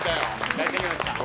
帰ってきました。